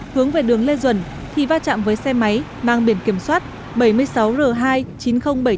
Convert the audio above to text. hướng về đường lê duẩn thì va chạm với xe máy mang biển kiểm soát bảy mươi sáu r hai mươi chín nghìn bảy mươi tám chở hai thanh niên